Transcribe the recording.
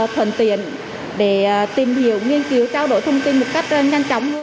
thuần tiện để tìm hiểu nghiên cứu trao đổi thông tin một cách nhanh chóng